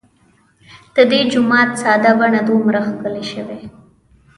د دې جومات ساده بڼه دومره ښکلې شي.